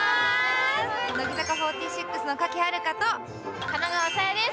乃木坂４６の賀喜遥香と金川紗耶です